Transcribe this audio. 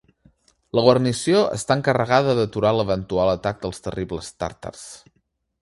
La guarnició està encarregada d'aturar l'eventual atac dels terribles tàrtars.